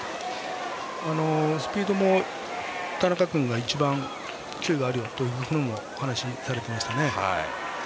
スピードも田中君が一番球威があるよとお話しされていました。